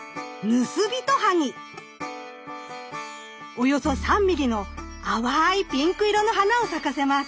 およそ３ミリの淡いピンク色の花を咲かせます。